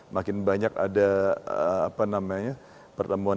makin banyak ada pertemuan